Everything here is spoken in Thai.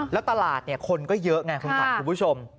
แล้วตลาดคนก็เยอะไงคุณผู้ชม